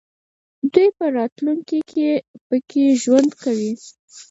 دوی په راتلونکي کې پکې ژوند کوي.